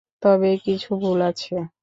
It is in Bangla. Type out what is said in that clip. তবে কিছু ভুল আছে।